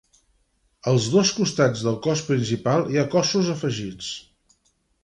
Als dos costats del cos principal hi ha cossos afegits.